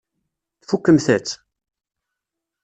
Tfukkemt-tt?